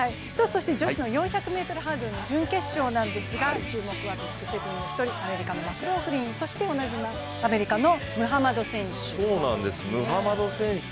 女子の４００ｍハードルの準決勝なんですが注目はＢＩＧ７の１人アメリカのマクローフリンそして同じアメリカのムハマド選手。